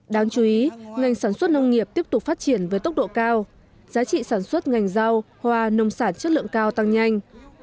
đáng chú ý ngành sản xuất nông nghiệp tiếp tục phát triển với tốc độ cao giá trị sản xuất ngành rau hoa nông sản chất lượng cao tăng nhanh